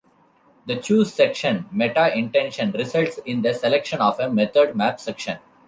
The Choose Section meta-intention results in the selection of a method map section.